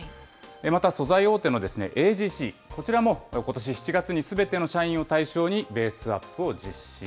また素材大手のＡＧＣ、こちらもことし７月にすべての社員を対象にベースアップを実施。